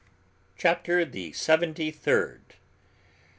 CHAPTER THE SEVENTY THIRD.